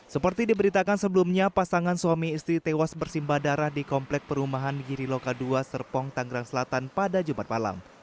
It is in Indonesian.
seperti diberitakan sebelumnya pasangan suami istri tewas bersimbah darah di komplek perumahan giri loka ii serpong tanggerang selatan pada jumat malam